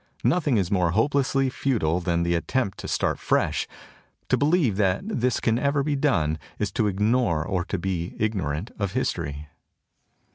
Nothing is more hopelessly futile than the attempt to start fresh. To believe that this can ever be done is to ignore or to be igno rant of history.